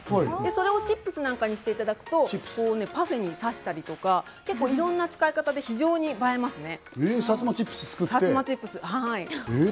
それをチップスなんかにしていただくと、パフェに挿したりとか、結構いろんな使い方で非常に映えますね。